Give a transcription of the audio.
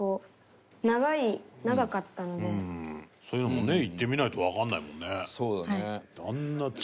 そういうのもね行ってみないとわからないもんね。